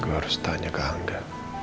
gue harus tanya ke anda